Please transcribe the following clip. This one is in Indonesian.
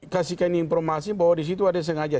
kasihkan informasi bahwa disitu ada sengaja